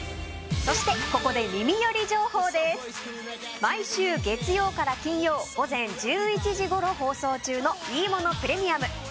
毎週月曜から金曜午前１１時ごろ放送中の「いいものプレミアム」